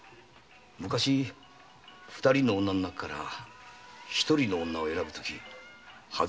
昔二人の女の中から一人の女を選ぶとき外した女がいたんだ。